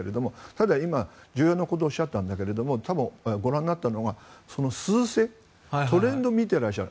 ただ、今重要なことをおっしゃったんだけど多分、ご覧になったのはトレンドを見ていらっしゃる。